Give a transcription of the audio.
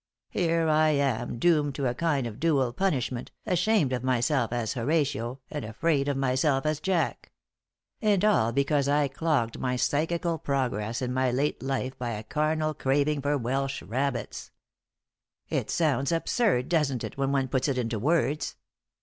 Here I am doomed to a kind of dual punishment, ashamed of myself as Horatio and afraid of myself as Jack. And all because I clogged my psychical progress in my late life by a carnal craving for Welsh rabbits! It sounds absurd, doesn't it, when one puts it into words?